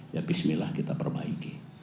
ya bismillah kita perbaiki